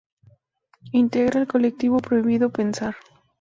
Integra el colectivo Prohibido pensar.